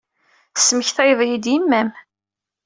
Tesmaktayeḍ-iyi-d yemma-m.